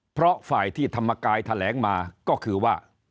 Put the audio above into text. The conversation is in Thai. เพราะฝ่ายที่ธรรมกายแถลงมาก็คือว่า